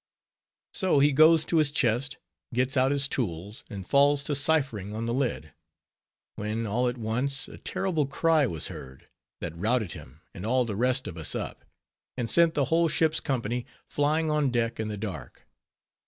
So he goes to his chest, gets out his tools, and falls to ciphering on the lid. When, all at once, a terrible cry was heard, that routed him and all the rest of us up, and sent the whole ship's company flying on deck in the dark.